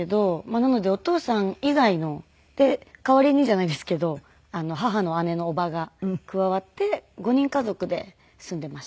なのでお父さん以外の代わりにじゃないですけど母の姉の伯母が加わって５人家族で住んでいました。